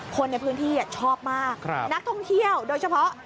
คนในพื้นที่ชอบมากนักท่องเที่ยวโดยเฉพาะ